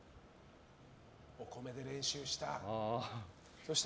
お米で練習した。